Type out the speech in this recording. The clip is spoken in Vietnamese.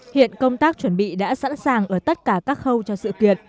hiện công tác chuẩn bị đã sẵn sàng ở tất cả các khâu cho sự kiện